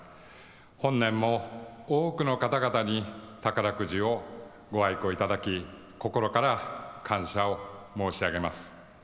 本年も多くの方々に宝くじご愛顧いただき心から感謝を申し上げます。